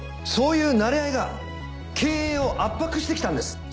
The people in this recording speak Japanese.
そういうなれ合いが経営を圧迫してきたんです。